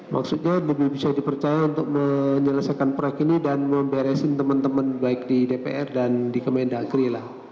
maksudnya lebih bisa dipercaya untuk menyelesaikan proyek ini dan memberesin teman teman baik di dpr dan di kemendagri lah